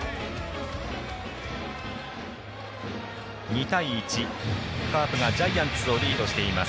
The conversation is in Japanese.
２対１カープがジャイアンツをリードしています。